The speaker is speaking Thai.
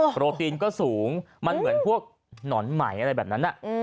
โปรตีนก็สูงมันเหมือนพวกหนอนไหมอะไรแบบนั้น